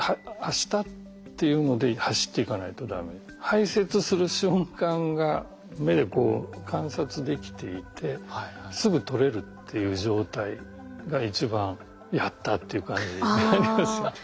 排せつする瞬間が目でこう観察できていてすぐとれるっていう状態が一番「やった」っていう感じになりますよね。